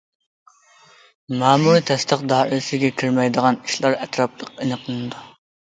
مەمۇرىي تەستىق دائىرىسىگە كىرمەيدىغان ئىشلار ئەتراپلىق ئېنىقلىنىدۇ.